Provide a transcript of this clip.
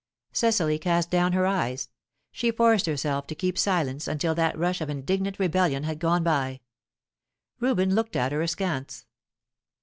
Cecily cast down her eyes. She forced herself to keep silence until that rush of indignant rebellion had gone by. Reuben looked at her askance.